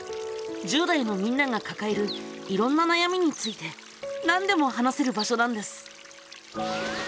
１０代のみんながかかえるいろんな悩みについてなんでも話せる場所なんです。